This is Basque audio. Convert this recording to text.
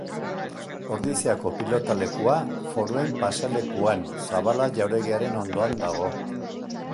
Ordiziako pilotalekua Foruen pasealekuan, Zabala jauregiaren ondoan dago.